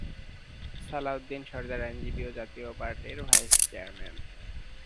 সালাউদ্দিন সরদার আইনজীবী ও জাতীয় পার্টির ভাইস চেয়ারম্যান।